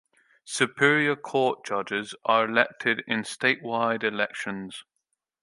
Superior Court judges are elected in statewide elections.